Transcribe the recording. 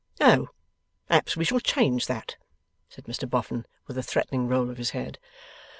'Oh! Perhaps we shall change that,' said Mr Boffin with a threatening roll of his head.